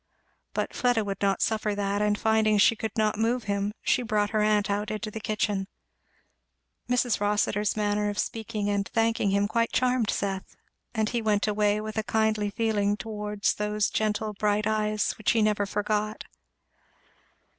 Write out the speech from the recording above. But Fleda would not suffer that, and finding she could not move him she brought her aunt out into the kitchen. Mrs. Rossitur's manner of speaking and thanking him quite charmed Seth, and he went away with a kindly feeling towards those gentle bright eyes which he never forgot.